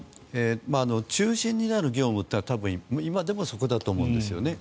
中心になる業務は今でもそこだと思うんですよね。